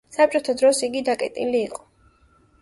საბჭოთა დროს იგი დაკეტილი იყო.